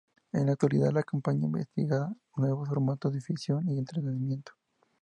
En la actualidad, la compañía investiga nuevos formatos de ficción y entretenimiento.